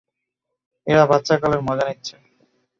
এরা বাচ্চাকালের মজা নিচ্ছে।